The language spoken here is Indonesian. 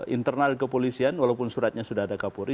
internal kepolisian walaupun suratnya sudah ada kapolri